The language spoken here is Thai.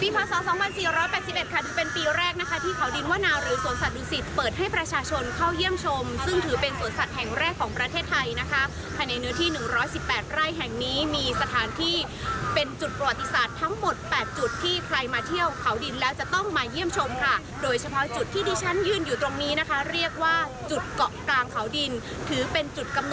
หรือสวนสัตว์ดูสิตเปิดให้ประชาชนเข้าเยี่ยมชมซึ่งถือเป็นสวนสัตว์แห่งแรกของประเทศไทยนะคะในเนื้อที่๑๑๘ไร่แห่งนี้มีสถานที่เป็นจุดประวัติศาสตร์ทั้งหมด๘จุดที่ใครมาเที่ยวเขาดินแล้วจะต้องมาเยี่ยมชมค่ะโดยเฉพาะจุดที่ดิฉันยื่นอยู่ตรงนี้นะคะเรียกว่าจุดเกาะกลางเขาดินถือเป็น